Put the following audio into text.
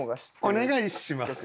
お願いします。